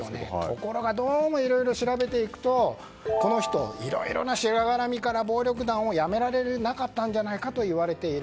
ところが、どうもいろいろ調べていくとこの人、いろいろなしがらみから暴力団を辞められなかったんじゃないかといわれている。